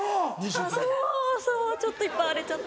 そうそうちょっといっぱい荒れちゃって。